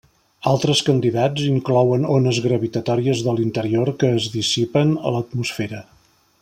Altres candidats inclouen ones gravitatòries de l'interior que es dissipen a l'atmosfera.